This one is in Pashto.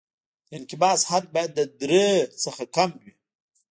د انقباض حد باید له درې څخه کم وي